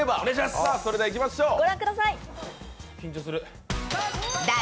それでは、いきましょう！